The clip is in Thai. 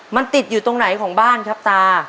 มันติดอยู่ตรงไหนของบ้านครับตา